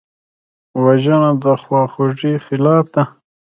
وژنه د خواخوږۍ خلاف ده